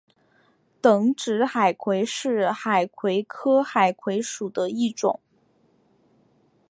等指海葵是海葵科海葵属的一种。